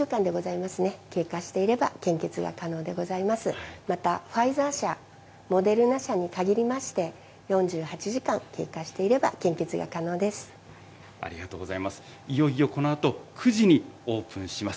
またファイザー社、モデルナ社に限りまして、４８時間経過していありがとうございます。